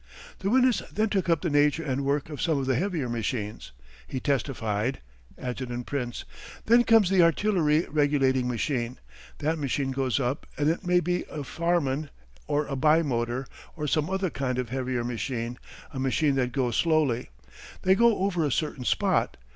The witness then took up the nature and work of some of the heavier machines. He testified: Adjt. Prince: Then comes the artillery regulating machine. That machine goes up, and it may be a Farman or a bi motor, or some other kind of heavier machine, a machine that goes slowly. They go over a certain spot.